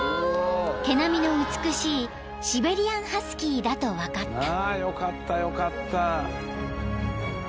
［毛並みの美しいシベリアンハスキーだと分かった］